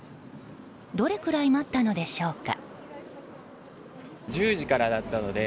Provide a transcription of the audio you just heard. どれくらい待ったのでしょうか。